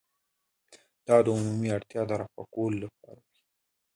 دا د عمومي اړتیا د رفع کولو لپاره وي.